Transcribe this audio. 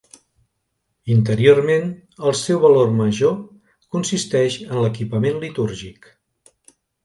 Interiorment, el seu valor major consisteix en l'equipament litúrgic.